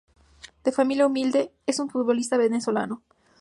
De familia humilde, es un futbolista venezolano.